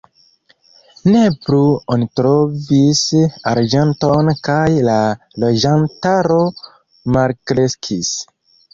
Ne plu oni trovis arĝenton kaj la loĝantaro malkreskis.